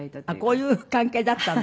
こういう関係だったんだ？